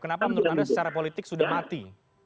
kenapa menurut anda secara politik sudah mati